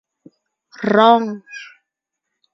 Wrong!